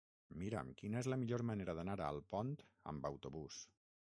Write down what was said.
Mira'm quina és la millor manera d'anar a Alpont amb autobús.